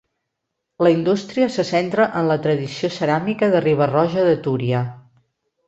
La indústria se centra en la tradició ceràmica de Riba-roja de Túria.